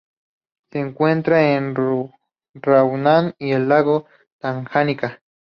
Se encuentra en Ruanda y el lago Tanganika.